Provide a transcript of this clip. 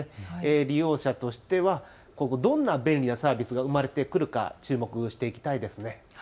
利用者としてはどんな便利なサービスが生まれてくるか注目していきたいですね。